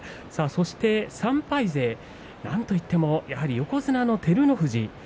そして３敗勢なんといってもやはり横綱の照ノ富士。